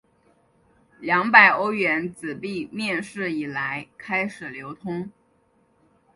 二百欧元纸币面世以来开始流通。